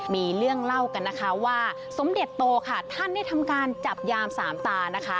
มีเรื่องเล่ากันนะคะว่าสมเด็จโตค่ะท่านได้ทำการจับยามสามตานะคะ